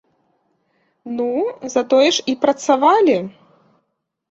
Ну, затое ж і працавалі!